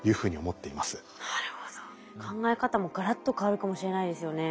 考え方もガラッと変わるかもしれないですよね。